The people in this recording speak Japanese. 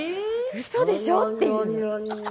ウソでしょ？っていう。